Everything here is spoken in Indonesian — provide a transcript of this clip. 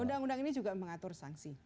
undang undang ini juga mengatur sanksi